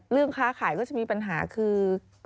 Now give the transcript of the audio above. เรื่องค้าขายก็จะมีปัญหาคือ